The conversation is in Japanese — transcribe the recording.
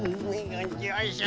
よいしょ。